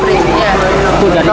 ini baru pabrik